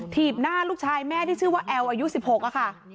ถีบหน้าลูกชายแม่ที่ชื่อว่าแอลอายุ๑๖ค่ะ